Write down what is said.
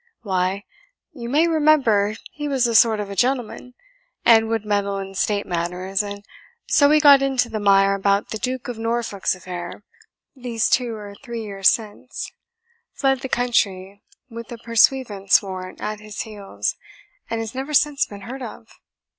"Why, you may remember he was a sort of a gentleman, and would meddle in state matters, and so he got into the mire about the Duke of Norfolk's affair these two or three years since, fled the country with a pursuivant's warrant at his heels, and has never since been heard of."